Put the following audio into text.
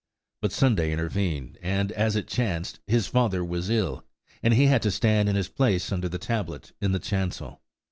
But Sunday intervened, and as it chanced, his father was ill, and he had to stand in his place under the tablet in the chancel.